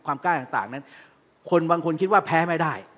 กล้าต่างนั้นคนบางคนคิดว่าแพ้ไม่ได้